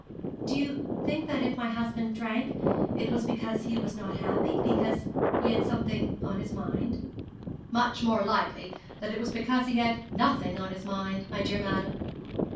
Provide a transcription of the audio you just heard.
'Do you think that if my husband drank it was because he was not happy because he had something on his mind?' 'Much more likely that it was because he had nothing on his mind, my dear madam.